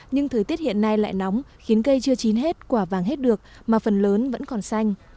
nhưng thời tiết hiện nay lại nóng khiến cây chưa chín hết quả vàng hết được mà phần lớn vẫn còn xanh